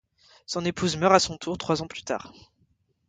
Son épouse meurt à son tour trois ans plus tard.